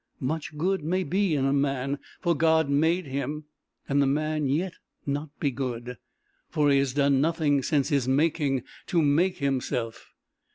Much good may be in a man, for God made him, and the man yet not be good, for he has done nothing, since his making, to make himself.